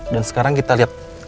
dan sekarang kita liat